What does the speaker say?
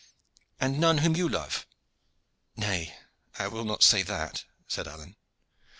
"And none whom you love?" "Nay, I will not say that," said Alleyne.